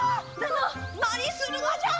何するがじゃ！